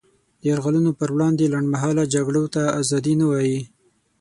د یرغلونو پر وړاندې لنډمهاله جګړو ته ازادي نه وايي.